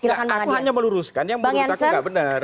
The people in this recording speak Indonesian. aku hanya meluruskan yang menurut aku nggak benar